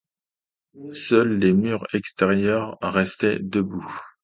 Seuls les murs extérieurs restaient debout.